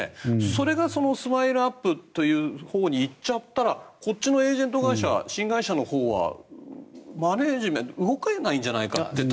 それがＳＭＩＬＥ−ＵＰ．に行っちゃったらこっちのエージェント会社新会社のほうはマネジメント動けないんじゃないかと。